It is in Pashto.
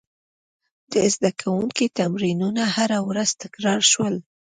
د زده کوونکو تمرینونه هره ورځ تکرار شول.